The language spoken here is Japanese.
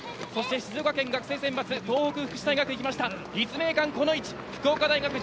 静岡県学生選抜東北福祉大学が行きました。